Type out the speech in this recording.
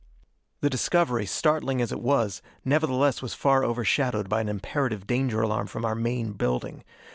The discovery, startling as it was, nevertheless was far overshadowed by an imperative danger alarm from our main building.